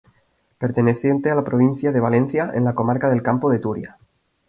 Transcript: Perteneciente a la provincia de Valencia, en la comarca del Campo de Turia.